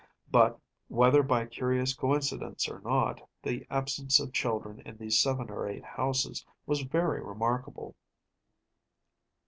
But, whether by curious coincidence or not, the absence of children in these seven or eight houses was very remarkable.